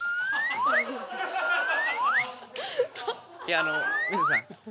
いやあの水田さん。